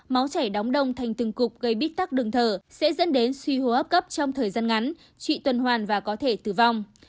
máu chảy đóng đông thành từng cục gây bích tắc đường thở sẽ dẫn đến suy hô hấp cấp trong thời gian ngắn trị tuần hoàn và có thể tử vong